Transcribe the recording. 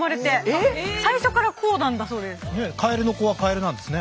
ねカエルの子はカエルなんですね。